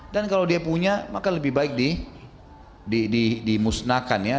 dan kalau dia punya maka lebih baik dimusnahkan ya